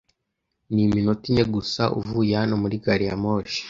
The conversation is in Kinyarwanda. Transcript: Ni iminota ine gusa uvuye hano muri gari ya moshi.